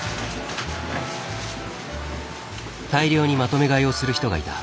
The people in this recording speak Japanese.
大量にまとめ買いをする人がいた。